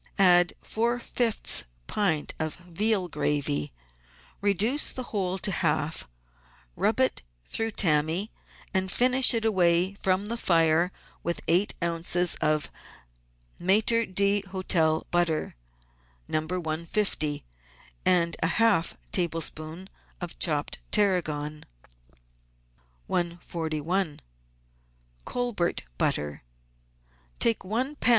Add four fifths pint of veal gravy, reduce the whole to half, rub it through tammy, and finish it away from the fire with eight oz. of Maitre d' Hotel butter (No. 150) and half a tablespoonful of chopped tarragon. 141— COLBERT BUTTER Take one lb.